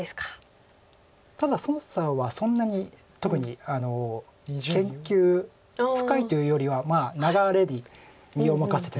ただ孫さんはそんなに特に研究深いというよりは流れに身を任せてというか。